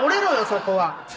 そこは。